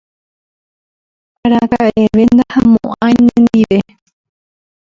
araka'eve ndahamo'ãi nendive